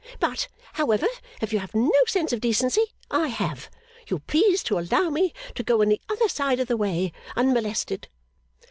But, however, if you have no sense of decency, I have. You'll please to allow me to go on the other side of the way, unmolested.